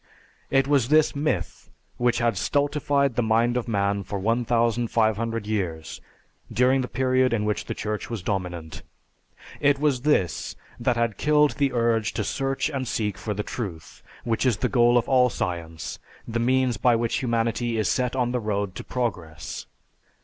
It was this myth which had stultified the mind of man for 1500 years (during the period in which the Church was dominant); it was this that had killed the urge to search and seek for the truth, which is the goal of all science, the means by which humanity is set on the road to progress.